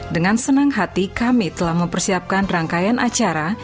dengan senang hati kami telah mempersiapkan rangkaian acara